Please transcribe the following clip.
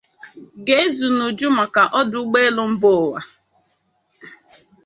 ga-ezu n'uju maka ọdụ ụgbọelu mba ụwa.